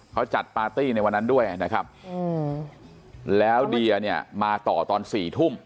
เขาจัดปาร์ตี้ในวันนั้นด้วยนะครับแล้วเดียเนี่ยมาต่อตอน๔ทุ่ม